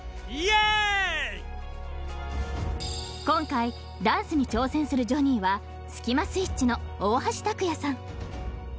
［今回ダンスに挑戦するジョニーはスキマスイッチの大橋卓弥さん］